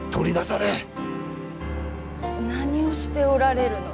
何をしておられるのです？